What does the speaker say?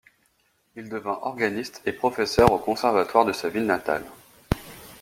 Il devint organiste et professeur au conservatoire de sa ville natale.